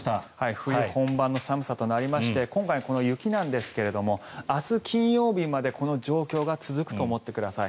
冬本番の寒さとなりまして今回のこの雪なんですが明日、金曜日までこの状況が続くと思ってください。